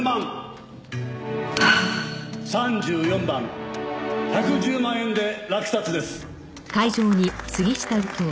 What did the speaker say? ３４番１１０万円で落札です。